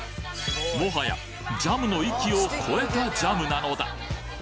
もはやジャムの域を超えたジャムなのだ！